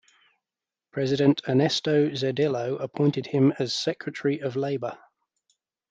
President Ernesto Zedillo appointed him as Secretary of Labor.